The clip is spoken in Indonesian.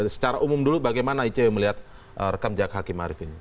secara umum dulu bagaimana icw melihat rekam jejak hakim arief ini